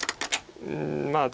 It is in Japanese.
うんまあ